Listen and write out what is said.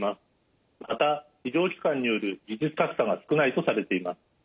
また医療機関による技術格差が少ないとされています。